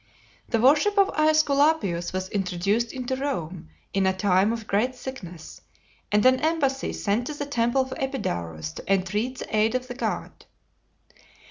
The worship of Aesculapius was introduced into Rome in a time of great sickness, and an embassy sent to the temple of Epidaurus to entreat the aid of the god.